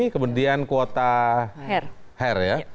kemudian kuota her